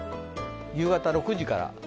夕方６時から。